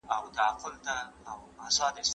احتیاط د هر چا مسوولیت دی.